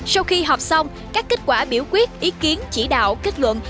sau khi họp xong các kết quả biểu quyết ý kiến chỉ đạo kết luận